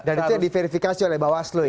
dan itu di verifikasi oleh bawah aslo ya